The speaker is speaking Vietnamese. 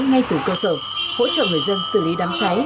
ngay từ cơ sở hỗ trợ người dân xử lý đám cháy